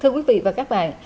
thưa quý vị và các bạn